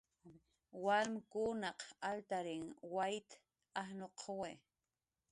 Warmkunaq altarin wayt asnuquwi